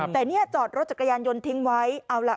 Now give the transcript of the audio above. แต่จอดรถจัดกรยานยนต์ทิ้งไว้